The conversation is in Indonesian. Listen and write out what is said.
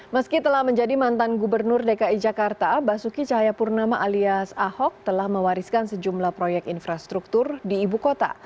meski telah menjadi mantan gubernur dki jakarta basuki cahayapurnama alias ahok telah mewariskan sejumlah proyek infrastruktur di ibu kota